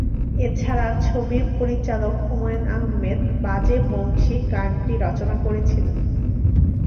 এছাড়া ছবির পরিচালক হুমায়ূন আহমেদ "বাজে বংশী" গানটি রচনা করেছিলেন।